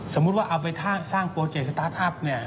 สมมติว่าเอาไปสร้างโปรเจคสตาร์ทอัพ